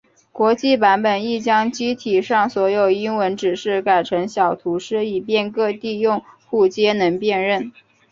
国际版本亦将机体上所有英文指示改成小图示以便各地用户皆能辨认。